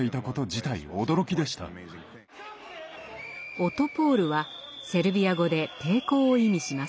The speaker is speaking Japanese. オトポール！はセルビア語で「抵抗」を意味します。